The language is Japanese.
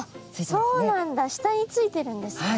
そうなんだ下についてるんですか。